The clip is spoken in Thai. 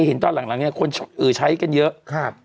เห็นตอนหลังเนี่ยคนใช้กันเยอะ